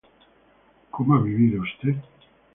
¿no ha vivido usted?